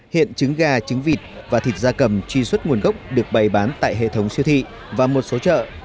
hiện trứng gà trứng vịt và thịt da cầm truy xuất nguồn gốc được bày bán tại hệ thống siêu thị và một số chợ